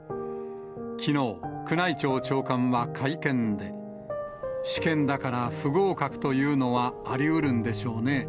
きのう、宮内庁長官は会見で、試験だから不合格というのはありうるんでしょうね。